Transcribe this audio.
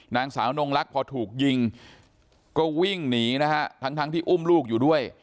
นางสาวนงลักษณ์พอถูกยิงก็วิ่งหนีนะฮะทั้งที่อุ้มลูกอยู่ด้วย